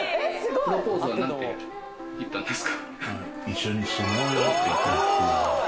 プロポーズは何て言ったんですか？